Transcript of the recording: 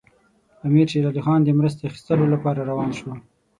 امیر شېر علي خان د مرستې اخیستلو لپاره روان شو.